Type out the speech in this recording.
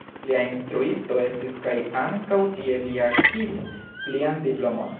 Lia instruisto estis kaj ankaŭ tie li akiris plian diplomon.